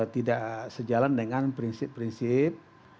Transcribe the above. tidak sejalan dengan prinsip prinsip